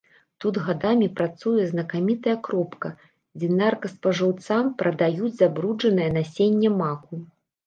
Тут гадамі працуе знакамітая кропка, дзе наркаспажыўцам прадаюць забруджанае насенне маку.